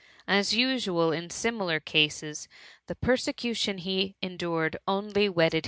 As usual, in similar cases, the persecution he endured only wedded THE MUMMT.